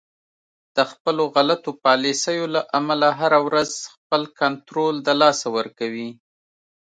د خپلو غلطو پالیسیو له امله هر ورځ خپل کنترول د لاسه ورکوي